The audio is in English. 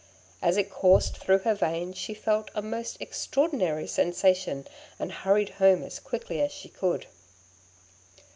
As it coursed through her veins she felt a most extraordinary sensation, and hurried home as quickly as she could.